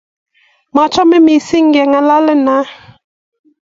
Machame mising keng'alalena.